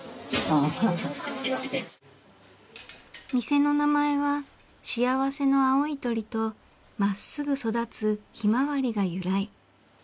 店の名前は幸せの青い鳥と真っすぐ育つ向日葵が由来。